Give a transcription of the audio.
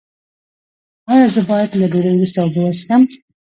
ایا زه باید له ډوډۍ وروسته اوبه وڅښم؟